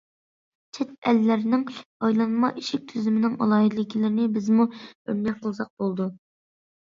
چەت ئەللەرنىڭ« ئايلانما ئىشىك» تۈزۈمىنىڭ ئالاھىدىلىكلىرىنى بىزمۇ ئۆرنەك قىلساق بولىدۇ.